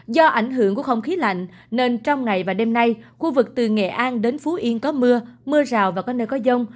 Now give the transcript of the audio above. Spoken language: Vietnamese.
do ảnh hưởng của không khí lạnh nên trong ngày và đêm nay khu vực từ nghệ an đến phú yên có mưa mưa rào và có nơi có dông